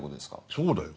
そうだよ。